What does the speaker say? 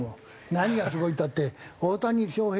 何がすごいったって大谷翔平